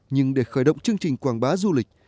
nhưng để khởi động chương trình quảng bá du lịch